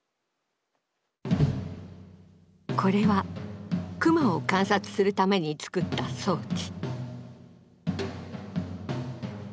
これはクマを観察するために作った装置。